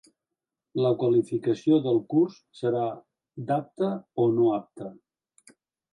La qualificació del curs serà d'apte o no apte.